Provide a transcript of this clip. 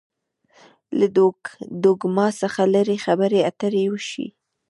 له ډوګما څخه لري خبرې اترې وشي.